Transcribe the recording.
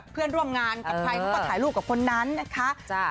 เพื่อนร่วมงานกับใครเขาก็ถ่ายรูปกับคนนั้นนะคะ